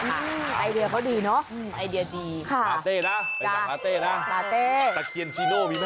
อ่าไอเดียเขาดีนะอืมไอเดียดีค่ะตะเต้นะไปหาตะเต้นะตะเคียนจีโน่มีมั้ย